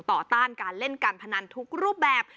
ต้านการเล่นการพนันทุกรูปแบบ